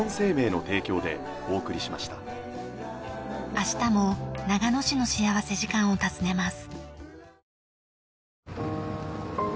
明日も長野市の幸福時間を訪ねます。